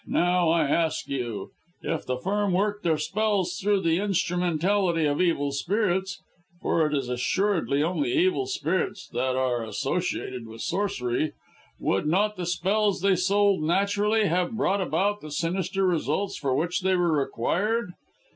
Now, I ask you, if the Firm worked their spells through the instrumentality of evil spirits for it is assuredly only evil spirits that are associated with Sorcery would not the spells they sold naturally have brought about the sinister results for which they were required?